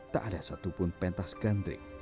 tak ada satupun pentas gandrik